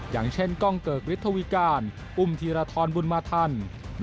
อย่างเช่นกล้องเกิกฤทธวิการอุ้มธีรทรบุญมาทัน